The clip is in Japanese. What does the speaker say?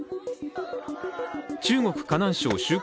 中国・河南省周口